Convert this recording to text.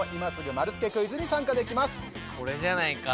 これじゃないか？